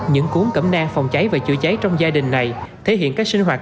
những cuốn cẩm nang phòng cháy và chữa cháy trong gia đình này thể hiện các sinh hoạt